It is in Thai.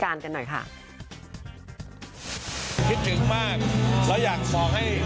เพราะว่าเป็นคนอารมณ์แรง